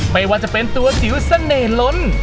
ไม่ว่าจะเป็นตัวจิ๋วเสน่ห์ล้น